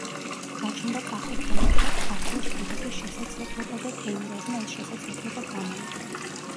გაჩნდა კახეთთან ერთად ქართლის მიღების შესაძლებლობა და თეიმურაზმა ეს შესაძლებლობა გამოიყენა.